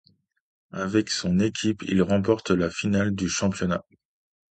Avec son équipe il remporte la finale du championnat.